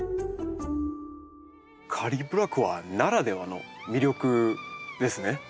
カリブラコアならではの魅力ですね。